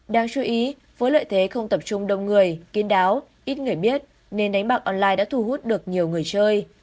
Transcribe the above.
đáng chú ý với lợi thế không tập trung đông người kiên đáo ít người biết nên đánh bạc online đã thu hút được nhiều người chơi